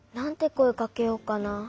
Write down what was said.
こえかけようかな。